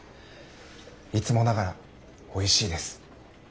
いつもながらおいしいです。